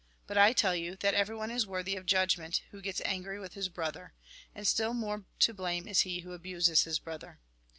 But I tell you, that everyone is worthy of judgment who gets angry with his brother. And still more to blame is he who abuses his brother.